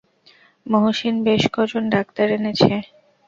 মহসিন বেশ ক জন ডাক্তার এনেছে।